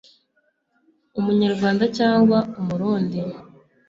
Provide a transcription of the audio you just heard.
umunyarwanda cyangwa umurundi